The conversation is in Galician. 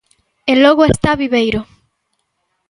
E logo está Viveiro.